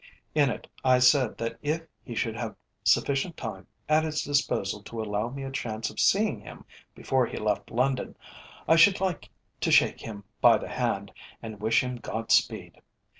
In it I said that if he should have sufficient time at his disposal to allow me a chance of seeing him, before he left London, I should like to shake him by the hand and wish him God speed.